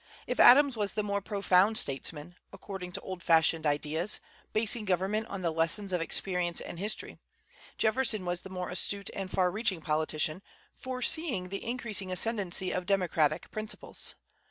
If Adams was the more profound statesman, according to old fashioned ideas, basing government on the lessons of experience and history, Jefferson was the more astute and far reaching politician, foreseeing the increasing ascendency of democratic principles.